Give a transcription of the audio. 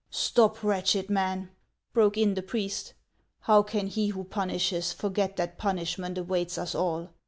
" Stop, wretched man !" broke in the priest. " How can he who punishes forget that punishment awaits us all